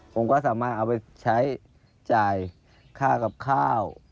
ผมก็สามารถเอาไปใช้จ่ายค่ากับข้าว